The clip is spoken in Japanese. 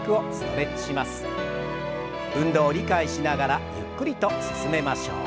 運動を理解しながらゆっくりと進めましょう。